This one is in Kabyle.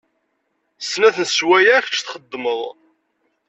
Snat n sswayeɛ kačč txeddmeḍ.